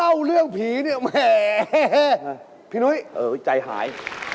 เล่าเรื่องผีเนี่ยแหมพี่นุ้ยใจหาย